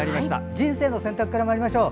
「人生の選択」からまいりましょう。